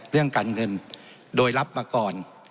เรื่องการเงินโดยรับมาก่อน